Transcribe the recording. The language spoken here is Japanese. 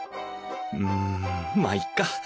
うんまあいっか。